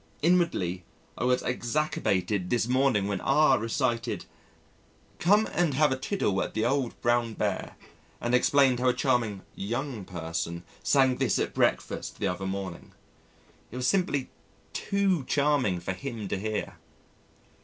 Inwardly I was exacerbated this morning when R recited, "Come and have a tiddle at the old Brown Bear," and explained how a charming "young person" sang this at breakfast the other morning. It was simply too charming for him to hear.